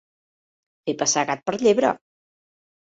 Fer passar gat per llebre.